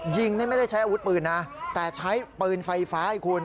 ยิงนี่ไม่ได้ใช้อาวุธปืนนะแต่ใช้ปืนไฟฟ้าให้คุณ